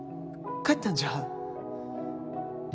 帰ったんじゃ。